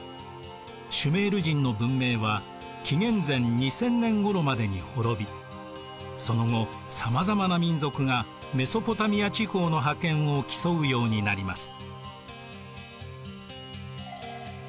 シュメール人の文明は紀元前２０００年ごろまでに滅びその後さまざまな民族がメソポタミア地方の覇権を競うようになります。